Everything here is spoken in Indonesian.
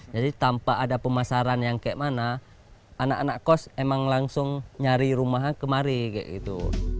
tanpa ada pemasaran yang kayak mana anak anak kos emang langsung nyari rumahan kemari kayak gitu